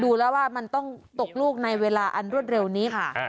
ดูแล้วว่ามันต้องตกลูกในเวลาอันรวดเร็วนี้ค่ะ